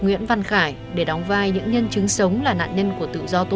nguyễn đình thắng và bpsos là những gương mặt quen thuộc như